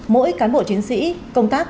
mỗi cán bộ chiến sĩ công tác